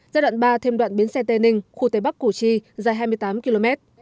giai đoạn ba thêm đoạn biến xe tê ninh khu tây bắc củ chi dài hai mươi tám km